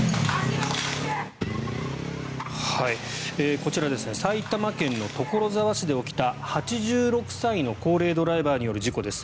こちら、埼玉県所沢市で起きた８６歳の高齢ドライバーによる事故です。